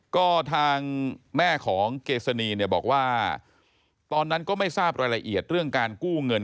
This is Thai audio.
ก็ทางแม่ของเกษณีเนี่ยบอกว่าตอนนั้นก็ไม่ทราบรายละเอียดเรื่องการกู้เงิน